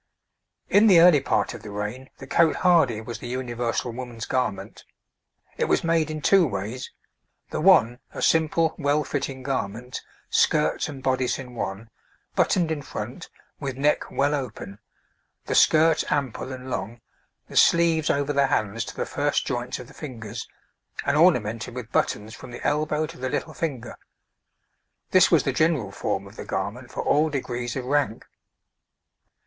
[Illustration: {A woman of the time of Richard II.}] In the early part of the reign the cotehardie was the universal woman's garment. It was made in two ways: the one a simple, well fitting garment, skirts and bodice in one, buttoned in front, with neck well open, the skirts ample and long, the sleeves over the hands to the first joints of the fingers, and ornamented with buttons from the elbow to the little finger this was the general form of the garment for all degrees of rank.